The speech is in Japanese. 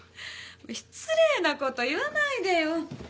失礼なこと言わないでよ。